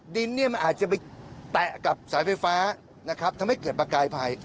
ดินเนี่ยมันอาจจะไปแตะกับสายไฟฟ้านะครับทำให้เกิดประกายภัย